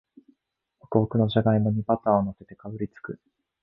ホクホクのじゃがいもにバターをのせてかぶりつく